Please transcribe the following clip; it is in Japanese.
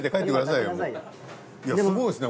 いやすごいですね。